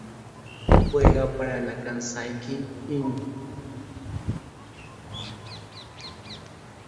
Juega para la Kansai Ki-In.